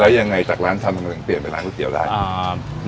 แล้วยังไงจากร้านชำมาเปลี่ยนเป็นร้านก๋วยเตี๋ยวได้